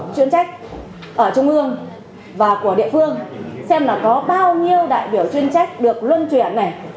chuyên trách ở trung ương và của địa phương xem là có bao nhiêu đại biểu chuyên trách được luân chuyển này